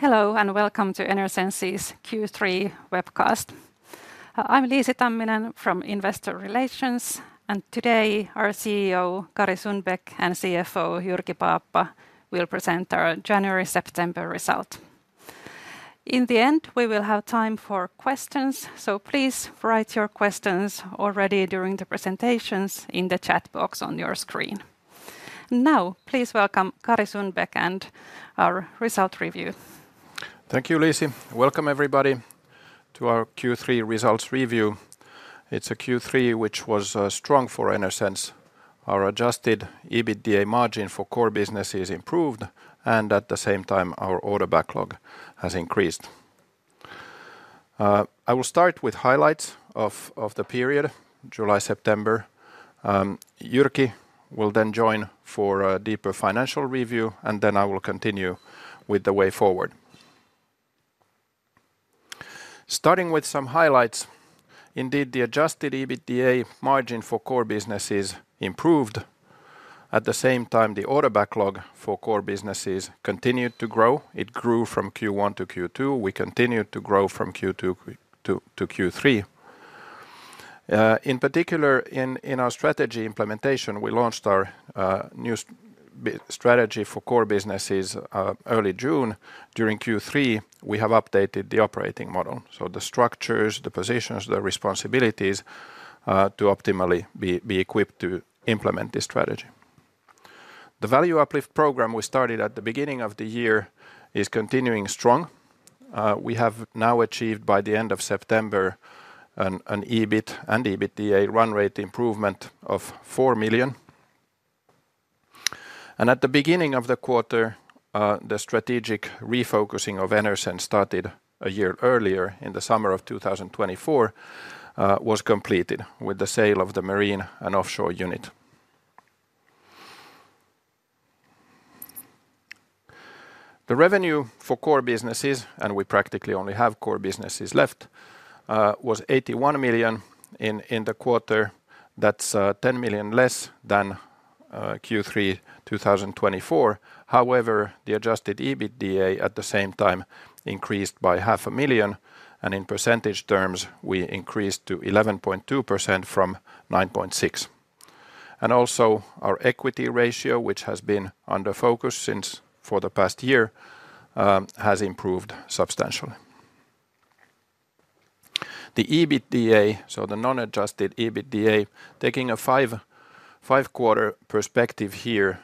Hello and welcome to Enersense's Q3 webcast. I'm Liisi Tamminen from Investor Relations, and today our CEO, Kari Sundbäck, and CFO, Jyrki Paappa, will present our January-September result. In the end, we will have time for questions, so please write your questions already during the presentations in the chat box on your screen. Now, please welcome Kari Sundbäck and our result review. Thank you, Liisi. Welcome everybody to our Q3 results review. It's a Q3 which was strong for Enersense. Our adjusted EBITDA margin for core business is improved, and at the same time, our order backlog has increased. I will start with highlights of the period, July-September. Jyrki will then join for a deeper financial review, and I will continue with the way forward. Starting with some highlights, indeed the adjusted EBITDA margin for core business is improved. At the same time, the order backlog for core businesses continued to grow. It grew from Q1 to Q2. We continued to grow from Q2 to Q3. In particular, in our strategy implementation, we launched our new strategy for core businesses early June. During Q3, we have updated the operating model, so the structures, the positions, the responsibilities to optimally be equipped to implement this strategy. The value uplift program we started at the beginning of the year is continuing strong. We have now achieved, by the end of September, an EBIT and EBITDA run-rate improvement of 4 million. At the beginning of the quarter, the strategic refocusing of Enersense started a year earlier in the summer of 2024, was completed with the sale of the marine and offshore unit. The revenue for core businesses, and we practically only have core businesses left, was 81 million in the quarter. That's 10 million less than Q3 2024. However, the adjusted EBITDA at the same time increased by 500,000, and in percentage terms, we increased to 11.2% from 9.6%. Also, our equity ratio, which has been under focus for the past year, has improved substantially. The EBITDA, so the non-adjusted EBITDA, taking a five-quarter perspective here,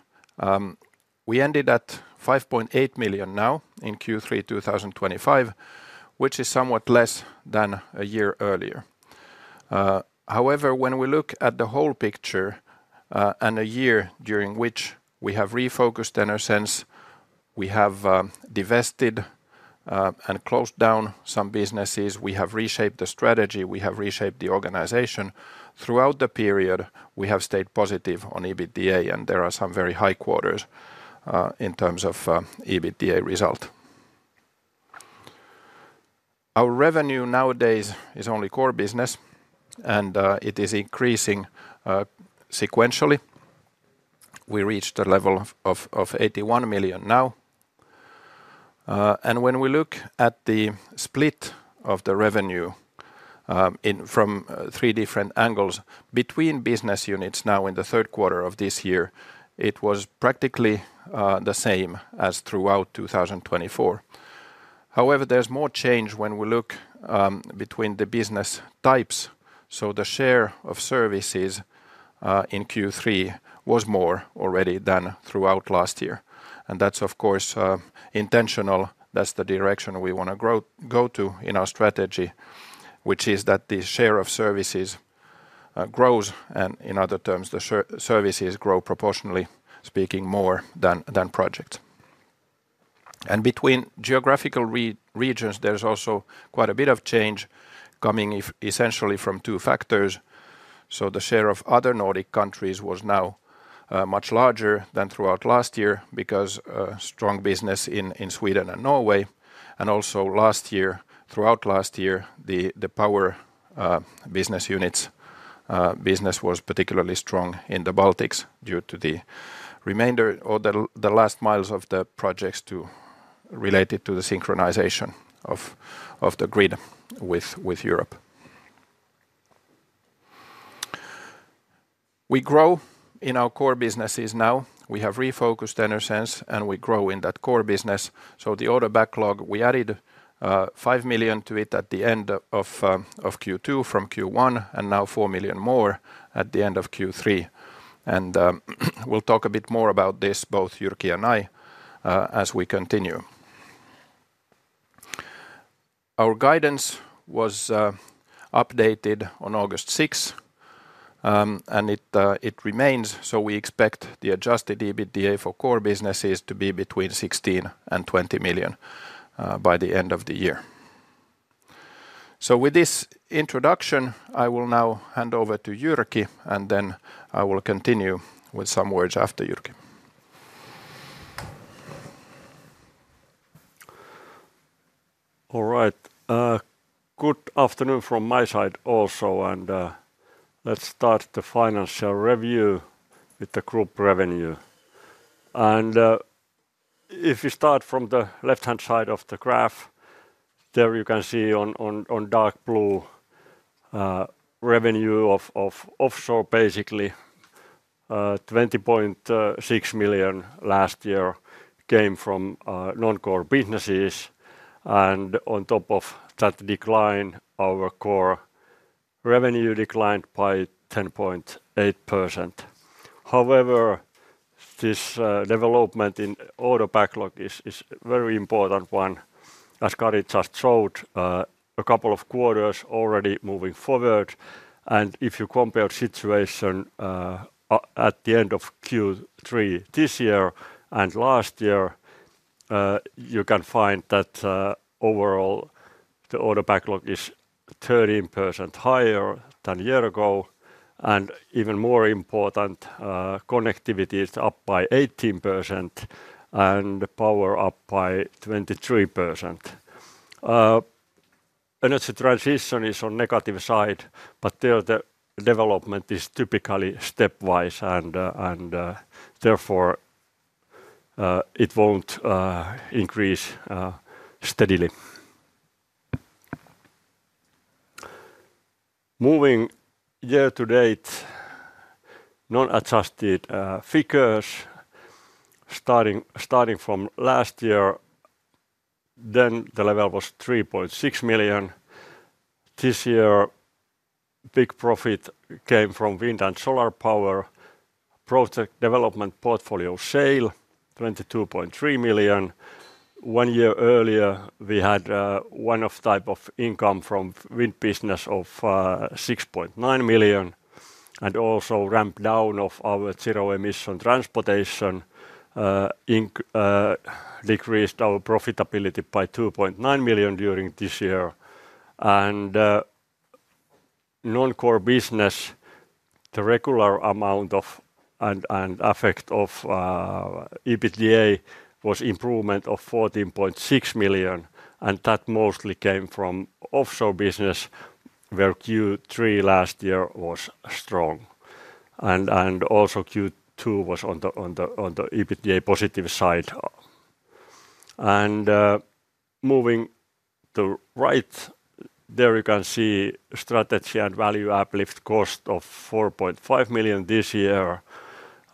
we ended at 5.8 million now in Q3 2025, which is somewhat less than a year earlier. However, when we look at the whole picture and a year during which we have refocused Enersense, we have divested and closed down some businesses. We have reshaped the strategy. We have reshaped the organization. Throughout the period, we have stayed positive on EBITDA, and there are some very high quarters in terms of EBITDA result. Our revenue nowadays is only core business, and it is increasing sequentially. We reached a level of 81 million now. When we look at the split of the revenue from three different angles between business units now in the third quarter of this year, it was practically the same as throughout 2024. However, there's more change when we look between the business types. The share of services in Q3 was more already than throughout last year, and that's, of course, intentional. That's the direction we want to go to in our strategy, which is that the share of services grows, and in other terms, the services grow proportionally, speaking more than projects. Between geographical regions, there's also quite a bit of change coming essentially from two factors. The share of other Nordic countries was now much larger than throughout last year because of strong business in Sweden and Norway. Also, throughout last year, the power business unit's business was particularly strong in the Baltics due to the remainder or the last miles of the projects related to the synchronization of the grid with Europe. We grow in our core businesses now. We have refocused Enersense, and we grow in that core business. The order backlog, we added 5 million to it at the end of Q2 from Q1, and now 4 million more at the end of Q3. We'll talk a bit more about this, both Jyrki and I, as we continue. Our guidance was updated on August 6, and it remains. We expect the adjusted EBITDA for core businesses to be between 16 million and 20 million by the end of the year. With this introduction, I will now hand over to Jyrki, and then I will continue with some words after Jyrki. All right. Good afternoon from my side also. Let's start the financial review with the group revenue. If we start from the left-hand side of the graph, there you can see on dark blue, revenue of offshore, basically. 20.6 million last year came from non-core businesses. On top of that decline, our core revenue declined by 10.8%. However, this development in order backlog is a very important one, as Kari just showed, a couple of quarters already moving forward. If you compare the situation at the end of Q3 this year and last year, you can find that overall the order backlog is 13% higher than a year ago. Even more important, connectivity is up by 18%, and power up by 23%. Energy transition is on the negative side, but the development is typically stepwise. Therefore, it won't increase steadily. Moving year to date, non-adjusted figures, starting from last year, then the level was 3.6 million. This year, big profit came from wind and solar power project development portfolio sale, 22.3 million. One year earlier, we had one type of income from wind business of 6.9 million. Also, ramp down of our zero-emission transportation decreased our profitability by 2.9 million during this year. Non-core business, the regular amount of and effect of EBITDA was improvement of 14.6 million, and that mostly came from offshore business, where Q3 last year was strong, and also Q2 was on the EBITDA positive side. Moving to right, there you can see strategy and value uplift cost of 4.5 million this year,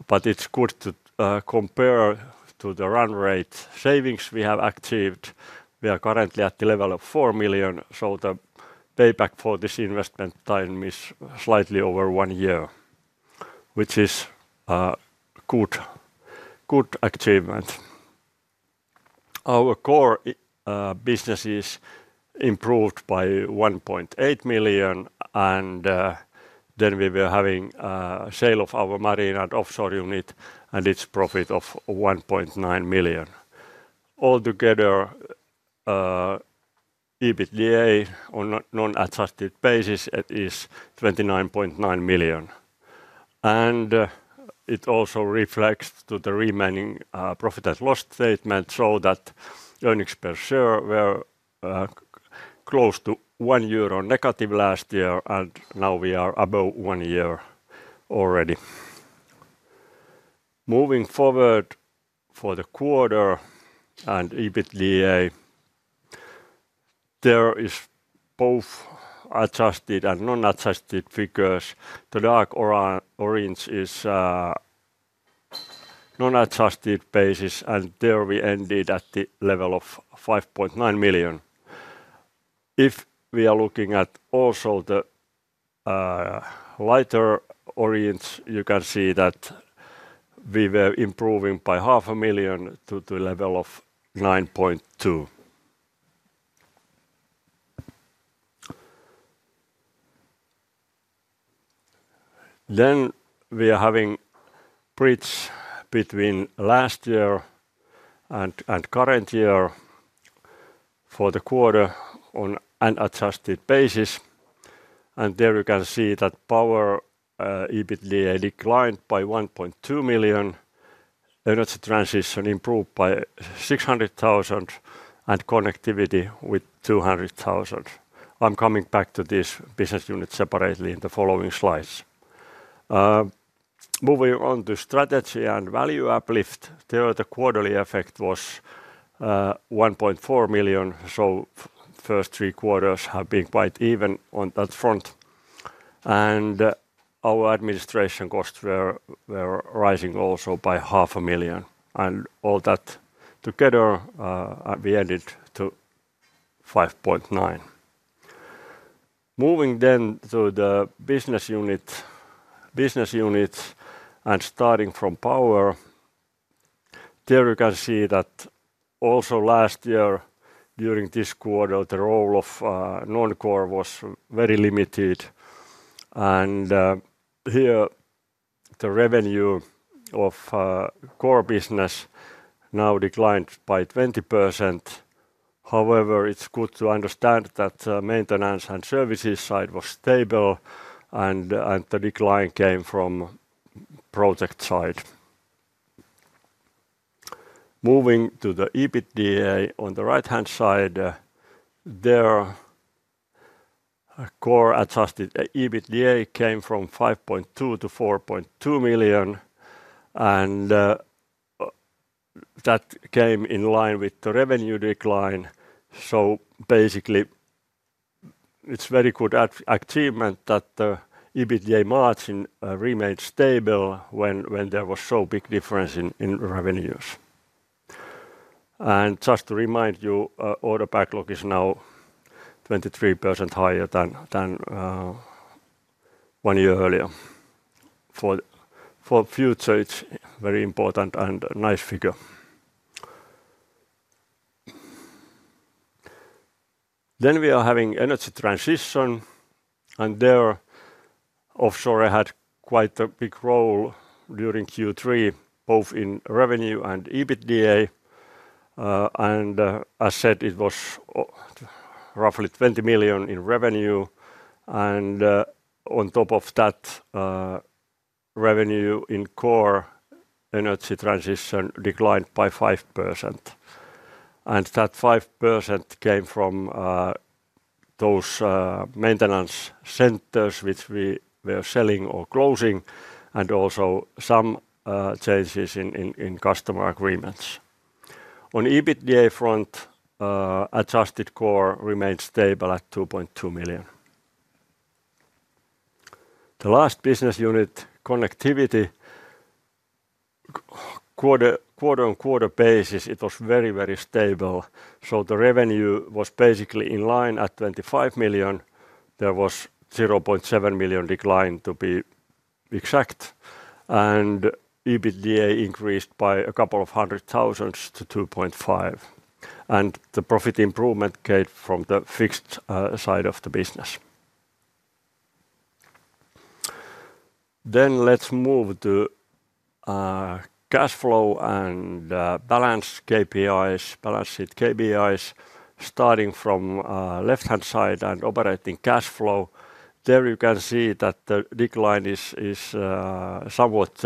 but it's good to compare to the run-rate savings we have achieved. We are currently at the level of 4 million, so the payback for this investment time is slightly over one year, which is a good achievement. Our core business is improved by 1.8 million. We were having a sale of our marine and offshore unit and its profit of 1.9 million. Altogether, EBITDA on a non-adjusted basis, it is 29.9 million, and it also reflects to the remaining profit and loss statement so that earnings per share were close to 1 euro negative last year, and now we are above 1 already. Moving forward for the quarter and EBITDA, there is both adjusted and non-adjusted figures. The dark orange is non-adjusted basis, and there we ended at the level of 5.9 million. If we are looking at also the lighter orange, you can see that we were improving by 500,000 to the level of 9.2 million. Then we are having a bridge between last year and current year for the quarter on an adjusted basis, you can see that Power EBITDA declined by 1.2 million. Energy transition improved by 600,000, and Connectivity with 200,000. I'm coming back to this business unit separately in the following slides. Moving on to strategy and value uplift, the quarterly effect was 1.4 million. The first three quarters have been quite even on that front. Our administration costs were rising also by 500,000. All that together, we added to 5.9 million. Moving to the business unit and starting from Power, you can see that last year during this quarter, the role of non-core was very limited. The revenue of core business now declined by 20%. However, it's good to understand that the maintenance and services side was stable, and the decline came from the project side. Moving to the EBITDA on the right-hand side, core adjusted EBITDA came from 5.2 million to 4.2 million. That came in line with the revenue decline. It's a very good achievement that the EBITDA margin remained stable when there was so big difference in revenues. Just to remind you, order backlog is now 23% higher than one year earlier. For future, it's very important and a nice figure. We are having energy transition. Offshore had quite a big role during Q3, both in revenue and EBITDA. As said, it was roughly 20 million in revenue. On top of that, revenue in core energy transition declined by 5%. That 5% came from those maintenance centers which we were selling or closing, and also some changes in customer agreements. On EBITDA front, adjusted core remained stable at 2.2 million. The last business unit, Connectivity, quarter-on-quarter basis, it was very, very stable. The revenue was basically in line at 25 million. There was 0.7 million decline to be exact, and EBITDA increased by a couple of hundred thousand to 2.5 million. The profit improvement came from the fixed side of the business. Let's move to cash flow and balance KPIs, balance sheet KPIs. Starting from left-hand side and operating cash flow, there, you can see that the decline is somewhat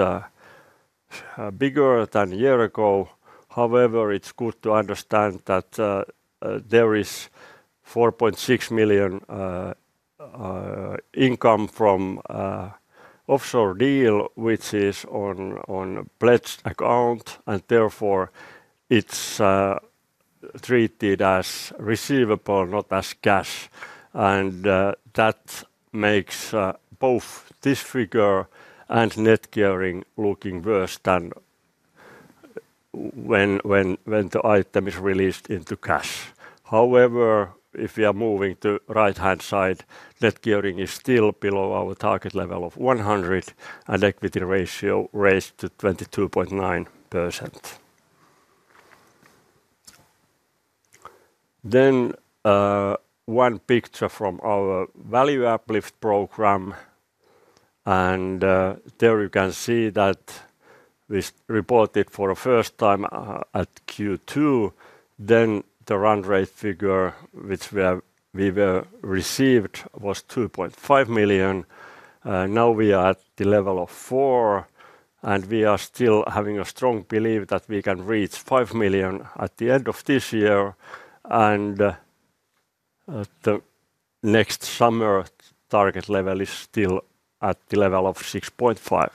bigger than a year ago. However, it's good to understand that there is 4.6 million income from offshore deal, which is on pledged account, and therefore it's treated as receivable, not as cash. That makes both this figure and net gearing look worse than when the item is released into cash. However, if we are moving to the right-hand side, net gearing is still below our target level of 100%, and equity ratio raised to 22.9%. One picture from our value uplift program. There you can see that we reported for the first time at Q2. The run-rate figure which we received was 2.5 million. Now we are at the level of 4 million, and we are still having a strong belief that we can reach 5 million at the end of this year. The next summer target level is still at the level of 6.5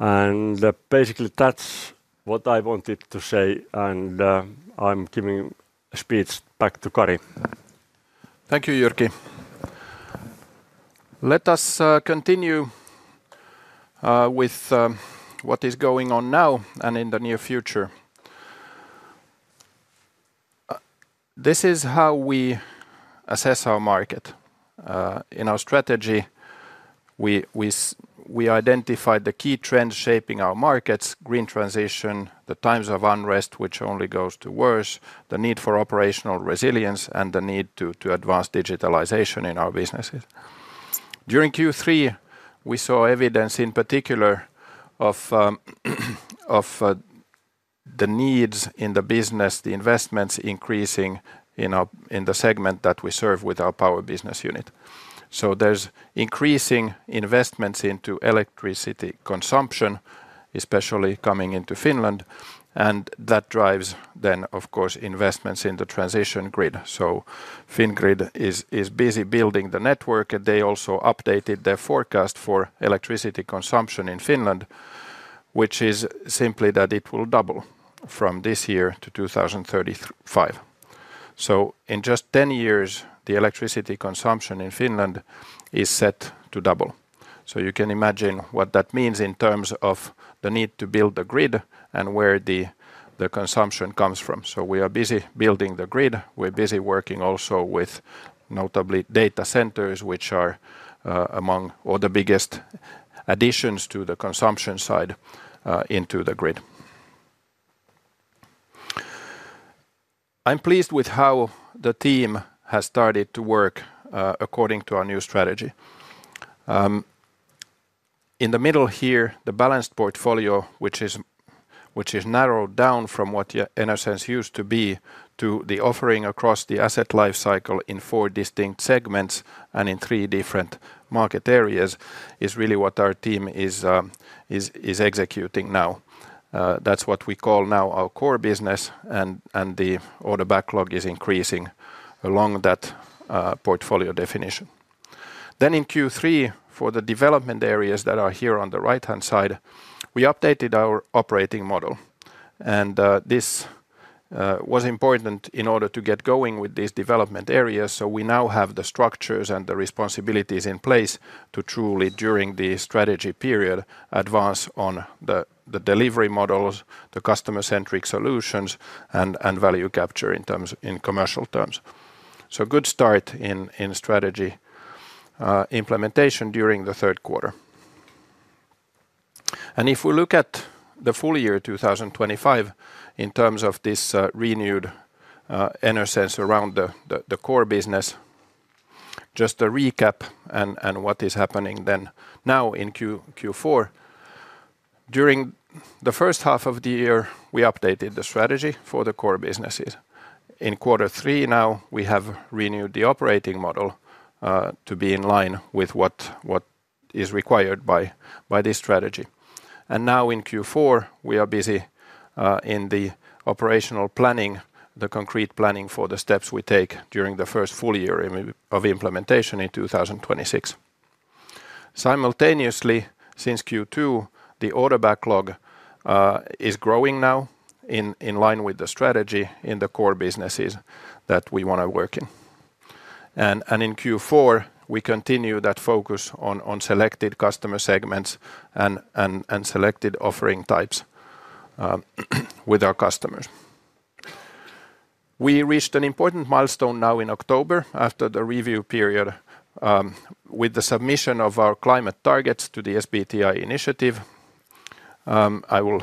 million. Basically, that's what I wanted to say, and I'm giving speech back to Kari. Thank you, Jyrki. Let us continue with what is going on now and in the near future. This is how we assess our market. In our strategy, we identified the key trends shaping our markets: green transition, the times of unrest, which only goes to worse, the need for operational resilience, and the need to advance digitalization in our businesses. During Q3, we saw evidence in particular of the needs in the business, the investments increasing in the segment that we serve with our power business unit. There are increasing investments into electricity consumption, especially coming into Finland, and that drives, of course, investments in the transition grid. Fingrid is busy building the network, and they also updated their forecast for electricity consumption in Finland, which is simply that it will double from this year to 2035. In just 10 years, the electricity consumption in Finland is set to double. You can imagine what that means in terms of the need to build the grid and where the consumption comes from. We are busy building the grid. We're busy working also with notably data centers, which are among all the biggest additions to the consumption side into the grid. I'm pleased with how the team has started to work according to our new strategy. In the middle here, the balanced portfolio, which is narrowed down from what Enersense used to be to the offering across the asset lifecycle in four distinct segments and in three different market areas, is really what our team is executing now. That's what we call now our core business, and the order backlog is increasing along that portfolio definition. In Q3, for the development areas that are here on the right-hand side, we updated our operating model. This was important in order to get going with these development areas. We now have the structures and the responsibilities in place to truly, during the strategy period, advance on the delivery models, the customer-centric solutions, and value capture in commercial terms. Good start in strategy implementation during the third quarter. If we look at the full year 2025 in terms of this renewed Enersense around the core business, just a recap and what is happening then now in Q4. During the first half of the year, we updated the strategy for the core businesses. In quarter three now, we have renewed the operating model to be in line with what is required by this strategy. Now in Q4, we are busy in the operational planning, the concrete planning for the steps we take during the first full year of implementation in 2026. Simultaneously, since Q2, the order backlog is growing now in line with the strategy in the core businesses that we want to work in. In Q4, we continue that focus on selected customer segments and selected offering types with our customers. We reached an important milestone now in October after the review period with the submission of our climate targets to the SBTi initiative. I will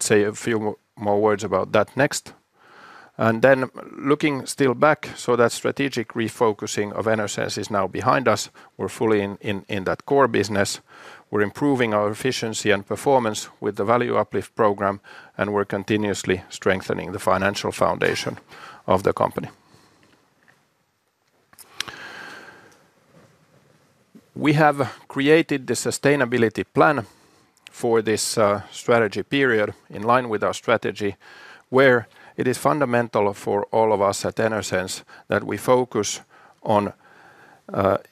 say a few more words about that next. Looking still back, that strategic refocusing of Enersense International Oyj is now behind us. We're fully in that core business. We're improving our efficiency and performance with the value uplift program, and we're continuously strengthening the financial foundation of the company. We have created the sustainability plan for this strategy period in line with our strategy, where it is fundamental for all of us at Enersense that we focus on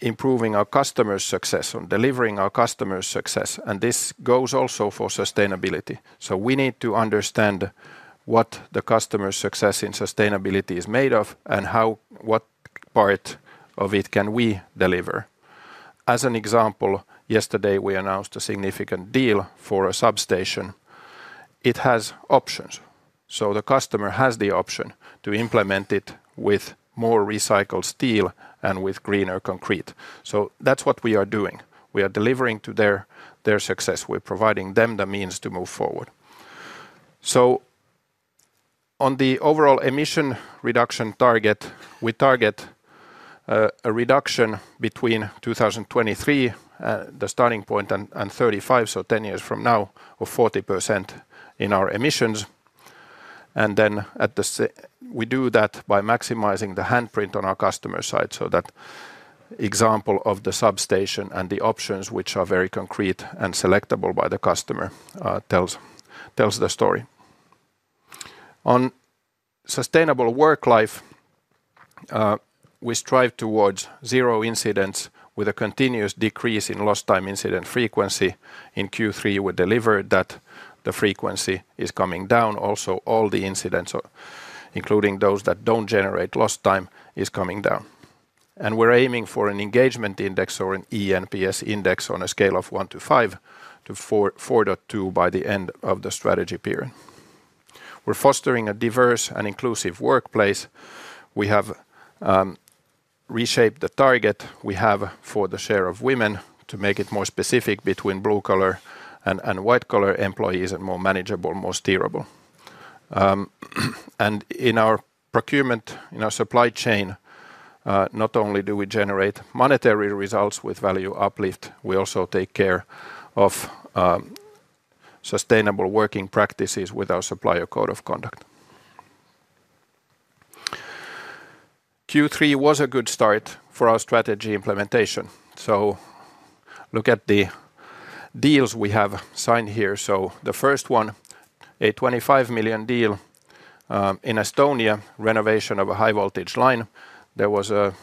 improving our customers' success, on delivering our customers' success. This goes also for sustainability. We need to understand what the customer's success in sustainability is made of and what part of it can we deliver. As an example, yesterday we announced a significant deal for a substation. It has options, so the customer has the option to implement it with more recycled steel and with greener concrete. That's what we are doing. We are delivering to their success. We're providing them the means to move forward. On the overall emission reduction target, we target a reduction between 2023 and the starting point and 2035, so 10 years from now, of 40% in our emissions. We do that by maximizing the handprint on our customer side so that example of the substation and the options, which are very concrete and selectable by the customer, tells the story. On sustainable worklife, we strive towards zero incidents with a continuous decrease in lost time incident frequency. In Q3, we delivered that the frequency is coming down. Also, all the incidents, including those that don't generate lost time, are coming down. We're aiming for an engagement index or an ENPS index on a scale of 1-5 to 4.2 by the end of the strategy period. We're fostering a diverse and inclusive workplace. We have. Reshaped the target we have for the share of women to make it more specific between blue-collar and white-collar employees and more manageable, more steerable. In our procurement, in our supply chain, not only do we generate monetary results with value uplift, we also take care of sustainable working practices with our supplier code of conduct. Q3 was a good start for our strategy implementation. Look at the deals we have signed here. The first one, a 25 million deal in Estonia, renovation of a high-voltage line. There was a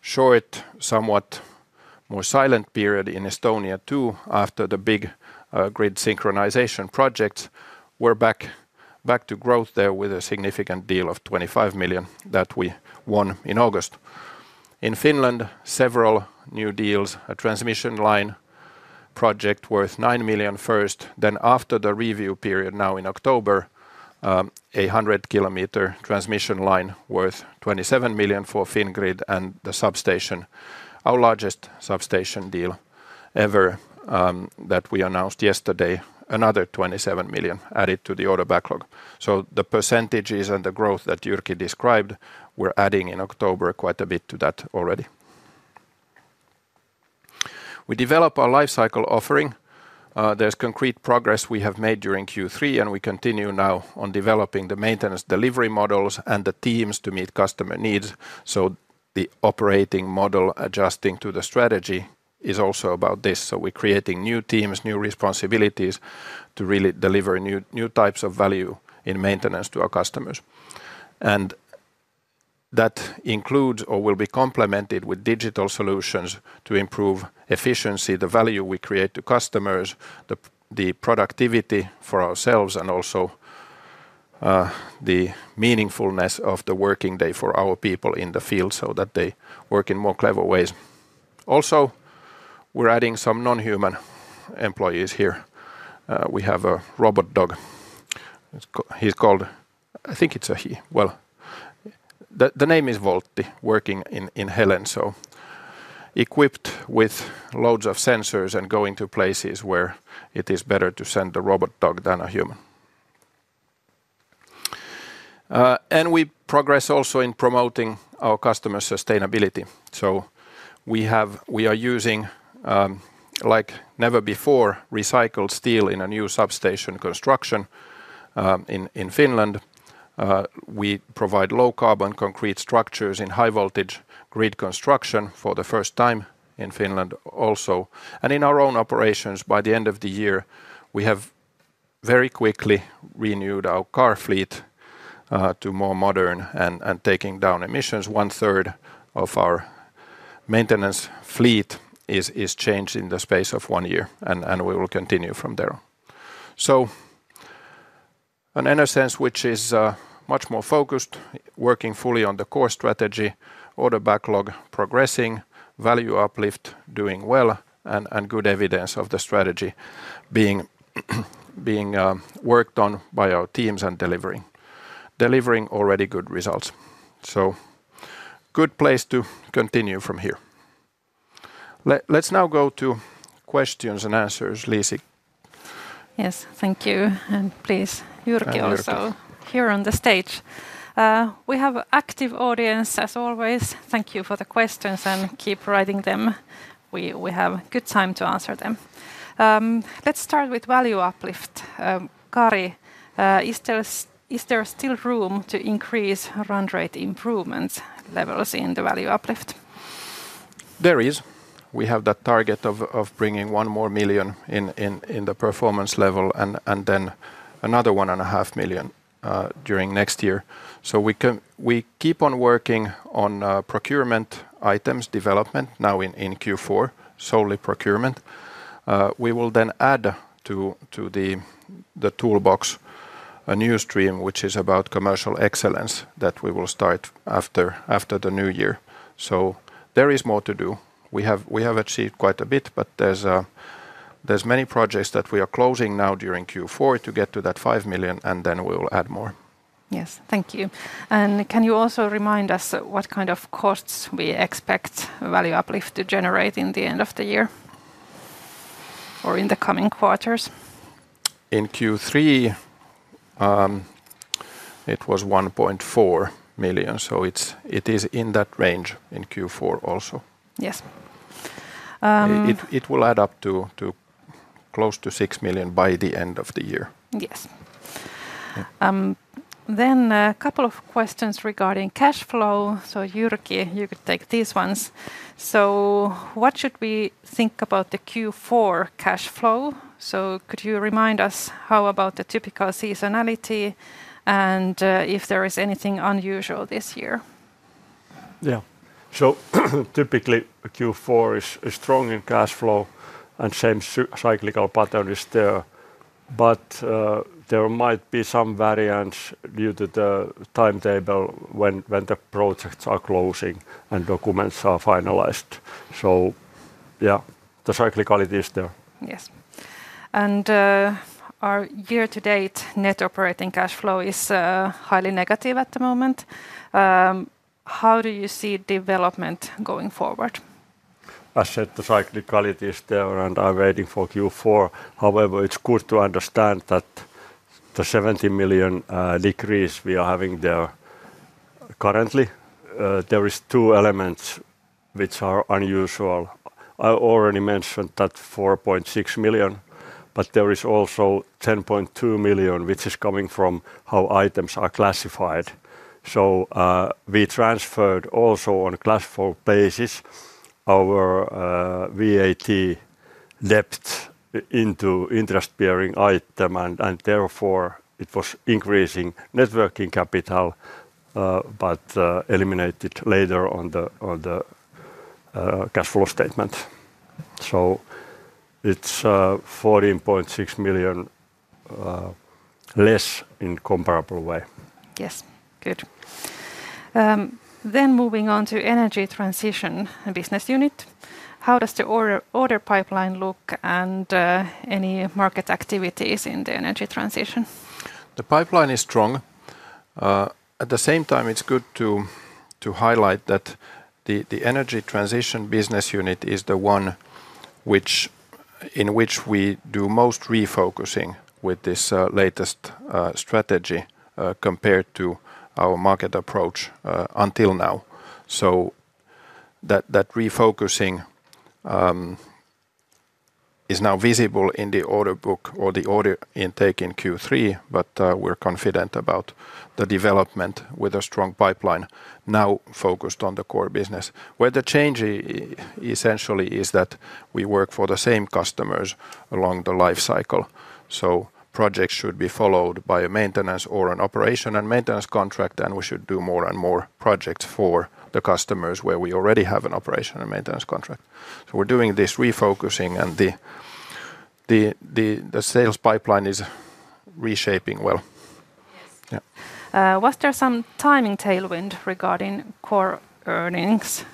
short, somewhat more silent period in Estonia too after the big grid synchronization projects. We're back to growth there with a significant deal of 25 million that we won in August. In Finland, several new deals, a transmission line project worth 9 million first, then after the review period now in October, a 100-kilometer transmission line worth 27 million for Fingrid and the substation. Our largest substation deal ever that we announced yesterday, another 27 million added to the order backlog. The percentages and the growth that Jyrki described, we're adding in October quite a bit to that already. We develop our lifecycle offering. There's concrete progress we have made during Q3, and we continue now on developing the maintenance delivery models and the teams to meet customer needs. The operating model adjusting to the strategy is also about this. We're creating new teams, new responsibilities to really deliver new types of value in maintenance to our customers. That includes or will be complemented with digital solutions to improve efficiency, the value we create to customers, the productivity for ourselves, and also the meaningfulness of the working day for our people in the field so that they work in more clever ways. Also, we're adding some non-human employees here. We have a robot dog. He's called, I think it's a, well, the name is Woltti, working in Helen, so equipped with loads of sensors and going to places where it is better to send a robot dog than a human. We progress also in promoting our customer sustainability. We are using, like never before, recycled steel in a new substation construction in Finland. We provide low-carbon concrete structures in high-voltage grid construction for the first time in Finland also. In our own operations, by the end of the year, we have very quickly renewed our car fleet to more modern and taking down emissions. 1/3 of our maintenance fleet is changed in the space of one year, and we will continue from there. Enersense which is much more focused, working fully on the core strategy, order backlog progressing, value uplift doing well, and good evidence of the strategy being worked on by our teams and delivering already good results. This is a good place to continue from here. Let's now go to questions and answers, Liisi. Yes, thank you. Please, Jyrki also here on the stage. We have an active audience, as always. Thank you for the questions and keep writing them. We have a good time to answer them. Let's start with value uplift. Kari, is there still room to increase run-rate improvement levels in the value uplift? We have that target of bringing 1 million in the performance level and then another 1.5 million during next year. We keep on working on procurement items development now in Q4, solely procurement. We will then add to the toolbox a new stream, which is about commercial excellence that we will start after the new year. There is more to do. We have achieved quite a bit, but there are many projects that we are closing now during Q4 to get to that 5 million, and then we will add more. Yes, thank you. Can you also remind us what kind of costs we expect value uplift to generate at the end of the year or in the coming quarters? In Q3, it was 1.4 million, so it is in that range in Q4 also. Yes. It will add up to close to 6 million by the end of the year. Yes, a couple of questions regarding cash flow. Jyrki, you could take these ones. What should we think about the Q4 cash flow? Could you remind us about the typical seasonality and if there is anything unusual this year? Yeah. Typically, Q4 is strong in cash flow, and the same cyclical pattern is there. There might be some variance due to the timetable when the projects are closing and documents are finalized. The cyclicality is there. Yes. Our year-to-date net operating cash flow is highly negative at the moment. How do you see development going forward? As I said, the cyclicality is there and I'm waiting for Q4. However, it's good to understand that the 70 million decrease we are having there. Currently, there are two elements which are unusual. I already mentioned that 4.6 million, but there is also 10.2 million, which is coming from how items are classified. We transferred also on a classified basis our VAT debt into interest-bearing item, and therefore it was increasing net working capital, but eliminated later on the cash flow statement. It's 14.6 million less in a comparable way. Yes. Good. Moving on to energy transition business unit, how does the order pipeline look, and any market activities in the energy transition? The pipeline is strong. At the same time, it's good to highlight that the energy transition business unit is the one in which we do most refocusing with this latest strategy compared to our market approach until now. That refocusing is now visible in the order book or the order intake in Q3, but we're confident about the development with a strong pipeline now focused on the core business. Where the change essentially is that we work for the same customers along the lifecycle. Projects should be followed by a maintenance or an operation and maintenance contract, and we should do more and more projects for the customers where we already have an operation and maintenance contract. We're doing this refocusing, and the sales pipeline is reshaping well. Was there some timing tailwind regarding core earnings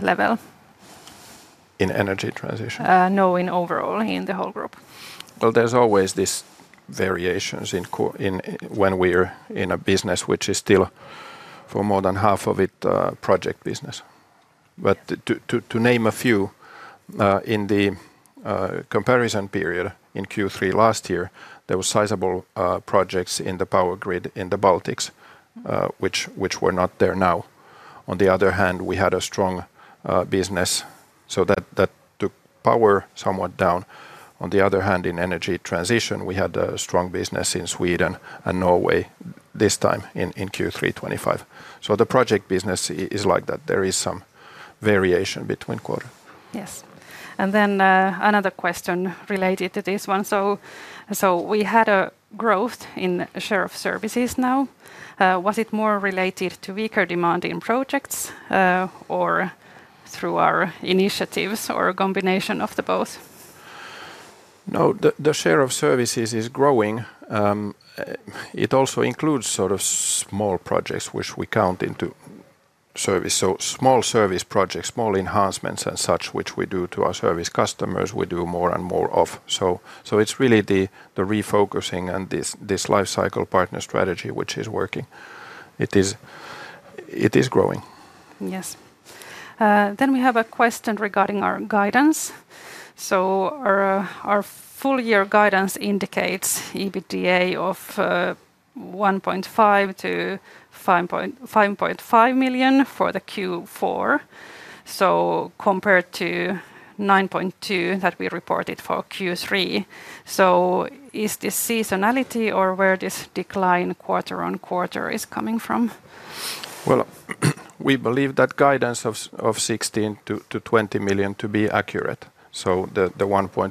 level? In energy transition? No, in overall, in the whole group. There are always these variations. We're in a business which is still, for more than half of it, project business. To name a few, in the comparison period in Q3 last year, there were sizable projects in the power grid in the Baltics, which were not there now. On the other hand, we had a strong business, so that took power somewhat down. In energy transition, we had a strong business in Sweden and Norway this time in Q3 2025. The project business is like that. There is some variation between quarters. Yes, another question related to this one. We had a growth in share of services now. Was it more related to weaker demand in projects, through our initiatives, or a combination of both? No, the share of services is growing. It also includes sort of small projects, which we count into service. Small service projects, small enhancements and such, which we do to our service customers, we do more and more of. It's really the refocusing and this lifecycle partner strategy, which is working. It is growing. Yes. We have a question regarding our guidance. Our full year guidance indicates EBITDA of 1.5 million-5.5 million for Q4, compared to 9.2 million that we reported for Q3. Is this seasonality or where is this decline quarter-on-quarter coming from? We believe that guidance of 16 million-20 million to be accurate. The 1.5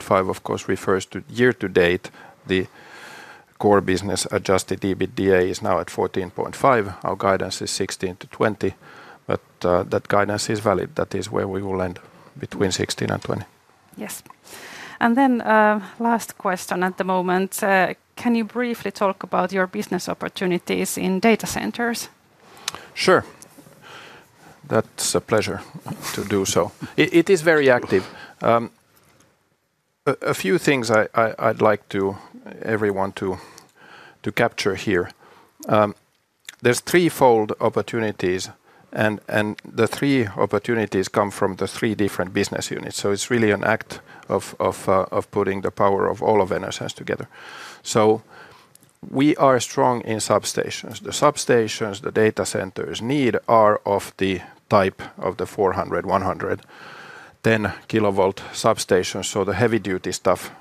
million, of course, refers to year-to-date. The core business adjusted EBITDA is now at 14.5 million. Our guidance is 16 million-20 million. That guidance is valid. That is where we will end, between 16 million and 20 million. Yes. Last question at the moment. Can you briefly talk about your business opportunities in data centers? Sure. That's a pleasure to do so. It is very active. A few things I'd like everyone to capture here. There's threefold opportunities, and the three opportunities come from the three different business units. It's really an act of putting the power of all of Enersense together. We are strong in substations. The substations the data centers need are of the type of the 400, 100, 10 kilovolts substations. The heavy-duty stuff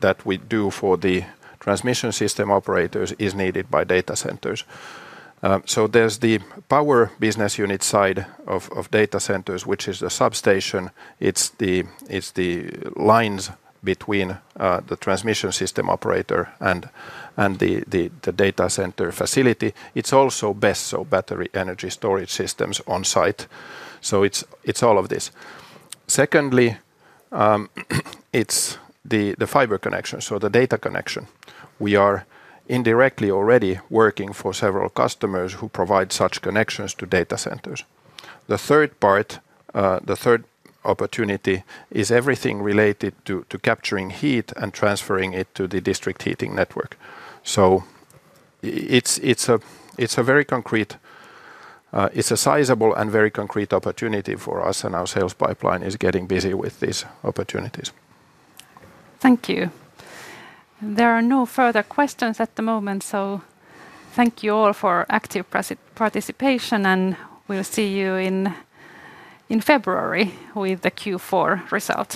that we do for the transmission system operators is needed by data centers. There's the power business unit side of data centers, which is the substation. It's the lines between the transmission system operator and the data center facility. It's also BESS, so battery energy storage systems on site. It's all of this. Secondly, it's the fiber connection, so the data connection. We are indirectly already working for several customers who provide such connections to data centers. The third part, the third opportunity, is everything related to capturing heat and transferring it to the district heating network. It's a very concrete, sizable, and very concrete opportunity for us, and our sales pipeline is getting busy with these opportunities. Thank you. There are no further questions at the moment. Thank you all for active participation, and we'll see you in February with the Q4 results.